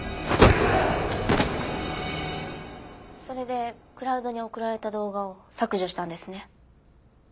それでクラウドに送られた動画を削除したんですね？